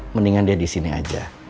mendingan dia disini aja